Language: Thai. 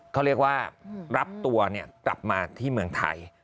เขาเรียกว่ารับตัวกลับมาที่เมืองไทย